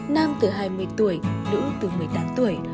nam từ hai mươi tuổi nữ từ một mươi tám tuổi